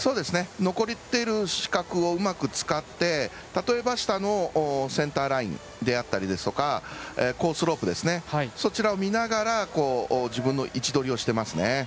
残っている視覚をうまく使って、たとえばセンターラインであったりとかコースロープを見ながら自分の位置取りをしています。